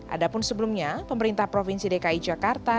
adapun sebelumnya pemerintah provinsi dki jakarta